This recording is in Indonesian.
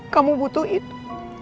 kamu butuh itu